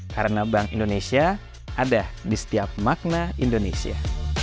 karena bank indonesia ada di setiap makna indonesia